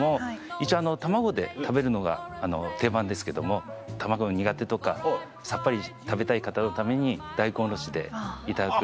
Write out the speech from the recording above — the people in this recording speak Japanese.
一応卵で食べるのが定番ですけども卵苦手とかさっぱり食べたい方のために大根おろしでいただくのも。